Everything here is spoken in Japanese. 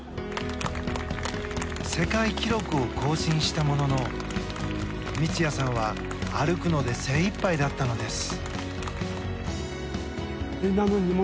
世界記録を更新したものの三ツ谷さんは、歩くので精いっぱいだったのです。